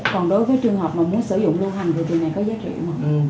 còn đối với trường hợp mà muốn sử dụng lưu hành thì tiền này có giá trị không ạ